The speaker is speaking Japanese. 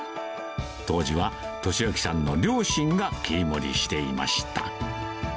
当時は利昭さんの両親が切り盛りしていました。